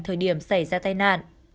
thời điểm xảy ra tai nạn